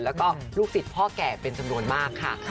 แล้วก็ลูกศิษย์พ่อแก่เป็นจำนวนมากค่ะ